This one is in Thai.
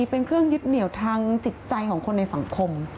เป็นเครื่องยึดเหนียวทางจิตใจของคนในสังคม